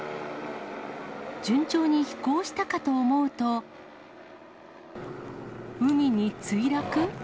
順調に飛行したかと思うと、海に墜落？